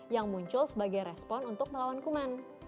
yang muncul sebagai respon untuk melawan kuman